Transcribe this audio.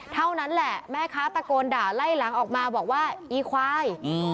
เท่านั้นแหละแม่ค้าตะโกนด่าไล่หลังออกมาบอกว่าอีควาย